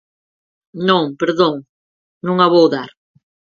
Non, perdón, non a vou dar.